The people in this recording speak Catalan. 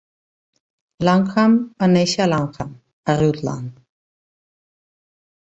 Langham va néixer a Langham a Rutland.